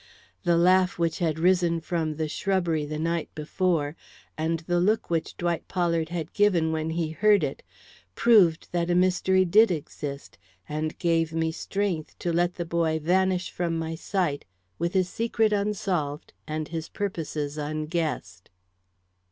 The laugh which had risen from the shrubbery the night before, and the look which Dwight Pollard had given when he heard it, proved that a mystery did exist, and gave me strength to let the boy vanish from my sight with his secret unsolved and his purposes unguessed.